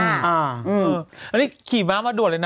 แล้วนี่ขี่หมามาดวดเลยนะ